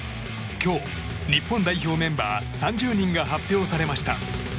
今日、日本代表メンバー３０名が発表されました。